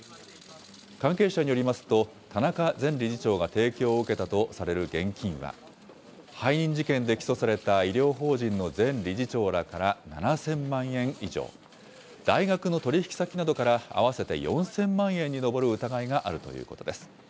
関係者によりますと、田中前理事長が提供を受けたとされる現金は、背任事件で起訴された医療法人の前理事長らから７０００万円以上、大学の取り引き先などから合わせて４０００万円に上る疑いがあるということです。